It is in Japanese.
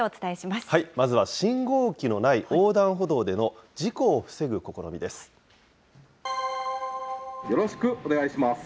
まずは信号機のない横断歩道での事故を防ぐ試みです。